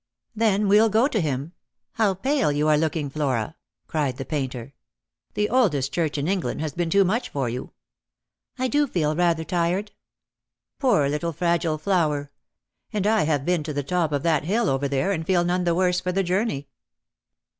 " Then we'll go to him. How pale you are looking, Flora !" cried the painter. "The oldest church in England has been too much for you." " I do feel rather tired." " Poor little fragile flower ! and I have been to the top of that hill over there, and feel none the worse for the journey."